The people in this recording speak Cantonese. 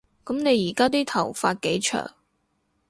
噉你而家啲頭髮幾長